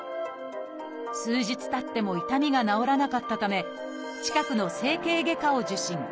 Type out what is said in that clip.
数日たっても痛みが治らなかったため近くの整形外科を受診。